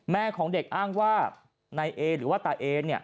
แม่ของเด็กอ้างว่านายเอหรือว่าตาเอเนี่ย